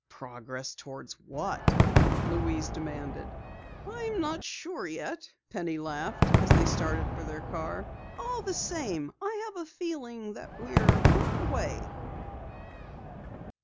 "Progress toward what?" Louise demanded. "I'm not sure yet," Penny laughed as they started for their car. "All the same, I have a feeling that we're on our way!"